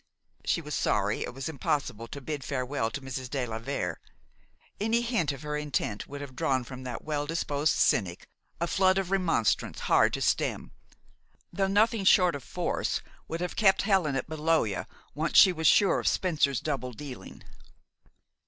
She was sorry it was impossible to bid farewell to Mrs. de la Vere. Any hint of her intent would have drawn from that well disposed cynic a flood of remonstrance hard to stem; though nothing short of force would have kept Helen at Maloja once she was sure of Spencer's double dealing.